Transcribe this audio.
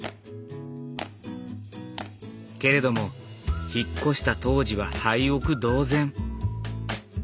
けれども引っ越した当時は廃屋同然。